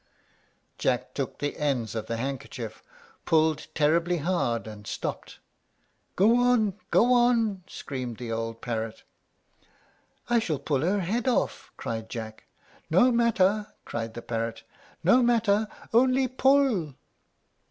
Jack took the ends of the handkerchief, pulled terribly hard, and stopped. "Go on! go on!" screamed the old parrot. "I shall pull her head off," cried Jack. "No matter," cried the parrot; "no matter, only pull."